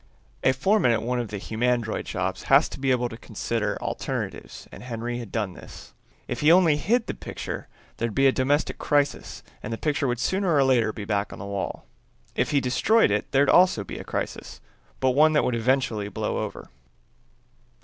A foreman at one of the humandroid shops has to be able to consider alternatives and Henry had done this. If he only hid the picture there'd be a domestic crisis and the picture would sooner or later be back on the wall; if he destroyed it there'd also be a crisis, but one that would eventually blow over.